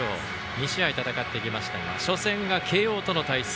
２試合戦ってきましたが初戦は慶応との対戦。